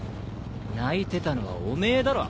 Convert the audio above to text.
泣いてたのはおめぇだろ。